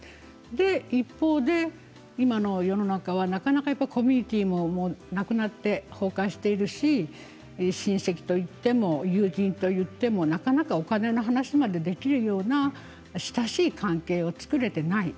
一方で今の世の中はコミュニティーもなくなって崩壊しているし親戚といっても友人といってもなかなかお金の話までできるような親しい関係を作れていない。